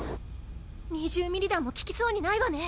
２０ｍｍ弾も効きそうにないわね。